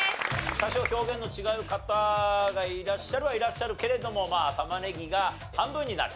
多少表現の違う方がいらっしゃるはいらっしゃるけれどもまあたまねぎが半分になる。